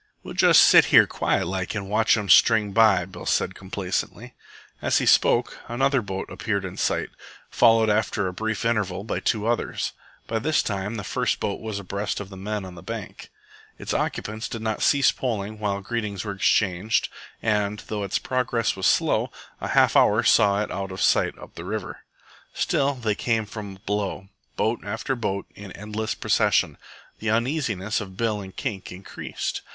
'We'll just sit here quiet like and watch 'em string by," Bill said complacently. As he spoke, another boat appeared in sight, followed after a brief interval by two others. By this time the first boat was abreast of the men on the bank. Its occupants did not cease poling while greetings were exchanged, and, though its progress was slow, a half hour saw it out of sight up river. Still they came from below, boat after boat, in endless procession. The uneasiness of Bill and Kink increased.